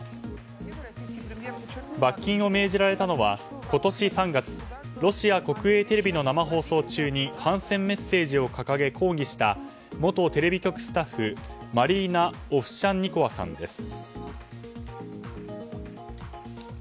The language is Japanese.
罰金を命じられたのは今年３月、ロシア国営テレビの生放送中に反戦メッセージを掲げ抗議した元テレビ局スタッフマリーナ・オフシャンニコワさんです。